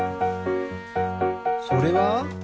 それは？